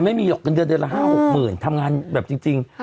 มันไม่มีหรอกเดือนละ๕๖หมื่นทำงานแบบจริง